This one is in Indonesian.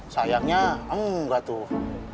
sayangnya enggak tuh